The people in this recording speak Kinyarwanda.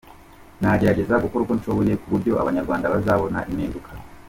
Nzagerageza gukora uko nshoboye ku buryo abanyarwanda bazabona impinduka.